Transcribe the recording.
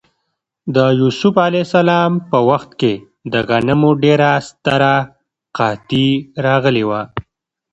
د یوسف ع په وخت کې د غنمو ډېره ستره قحطي راغلې وه.